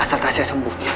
asal tasnya sembuh